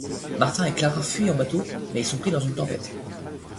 Martin et Clara fuient en bateau, mais ils sont pris dans une tempête.